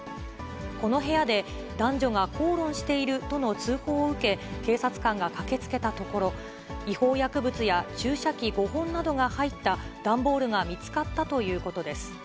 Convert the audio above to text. この部屋で、男女が口論しているとの通報を受け、警察官が駆けつけたところ、違法薬物や注射器５本などが入った段ボールが見つかったということです。